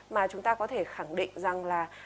mà chúng ta có thể khẳng định rằng là